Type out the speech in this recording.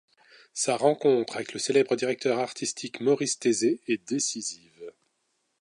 Sa rencontre avec le célèbre directeur artistique Maurice Tézé est décisive.